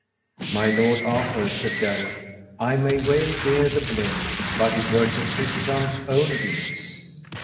My lord Arthur, said Gareth, I may well bear the blame, but it were Sir Tristram's own deeds.